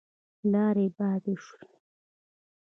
لاړې يې باد شوې.